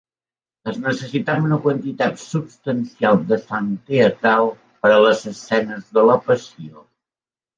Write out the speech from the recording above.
Es necessitava una quantitat substancial de sang teatral per a les escenes de la Passió.